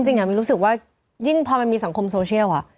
จริงมีรู้สึกว่ายิ่งพอมันมีสังคมโซเชียล